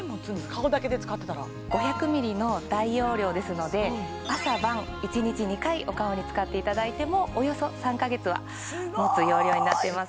顔だけで使ってたら５００ｍｌの大容量ですので朝晩１日２回お顔に使っていただいてもおよそ３か月はもつ容量になっています